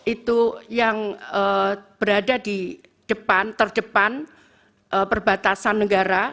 itu yang berada di depan terdepan perbatasan negara